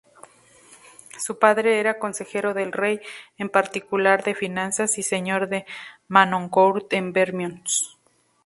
Su padre era consejero del rey, en particular de finanzas, y señor de Manoncourt-en-Vermois.